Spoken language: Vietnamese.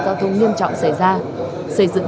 giao thông nghiêm trọng xảy ra xây dựng